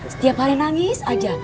setiap hari nangis aja